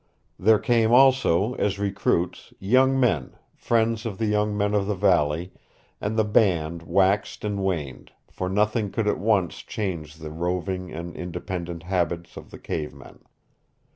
There came also, as recruits, young men, friends of the young men of the valley, and the band waxed and waned, for nothing could at once change the roving and independent habits of the cave men.